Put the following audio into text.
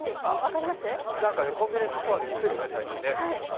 コンビニエンスストアで最近売ってるよね。